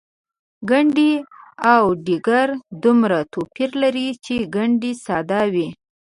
ګنډۍ او ډیګره دومره توپیر لري چې ګنډۍ ساده وي.